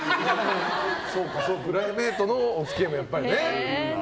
プライベートのお付き合いもね。